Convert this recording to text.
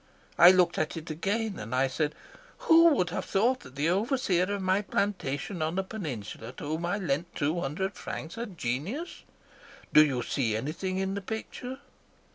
I looked at it again, and I said: 'Who would have thought that the overseer of my plantation on the peninsula, to whom I lent two hundred francs, had genius? Do you see anything in the picture?'